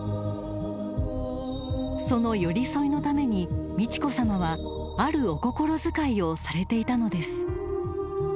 ［その寄り添いのために美智子さまはあるお心遣いをされていたのです］